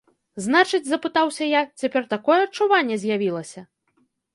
Значыць, запытаўся я, цяпер такое адчуванне з'явілася?